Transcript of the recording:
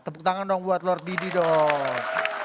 tepuk tangan dong buat lord didi dong